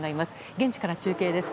現地から中継です。